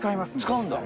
使うんだ。